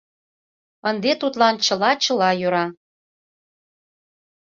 Ынде тудлан чыла-чыла йӧра.